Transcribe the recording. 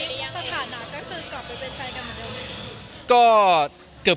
ค่ะตอนนี้ฐาหณะก็เชิญกลับไปเป็นไฟล์กันเหมือนเดิมด้วยกันครับ